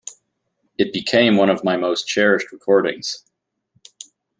It became one of my most cherished recordings.